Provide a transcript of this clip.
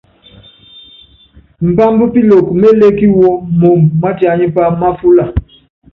Imbámb Piloko mélékí wɔ́ moomb mátíánípá máfúla.